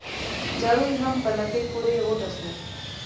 جارو يې هم په لکۍ پوري غوټه سو